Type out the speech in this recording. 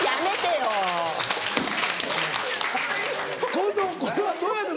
近藤これはどうやの？